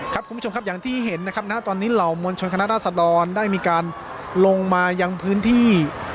คุณผู้ชมครับอย่างที่เห็นนะครับณตอนนี้เหล่ามวลชนคณะราษดรได้มีการลงมายังพื้นที่